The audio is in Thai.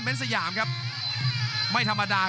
กรุงฝาพัดจินด้า